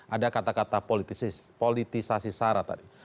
ada kata kata politis politisasi sarah tadi